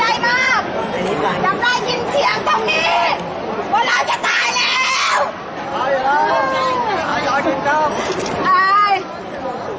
อาหรับเชี่ยวจามันไม่มีควรหยุด